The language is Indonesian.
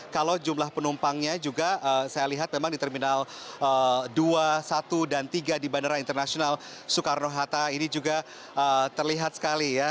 kalau jumlah penumpangnya juga saya lihat memang di terminal dua satu dan tiga di bandara internasional soekarno hatta ini juga terlihat sekali ya